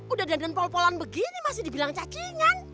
udah dengan pol polan begini masih dibilang cacingan